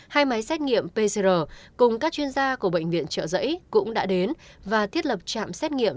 hai máy xét nghiệm pcr cùng các chuyên gia của bệnh viện trợ giấy cũng đã đến và thiết lập trạm xét nghiệm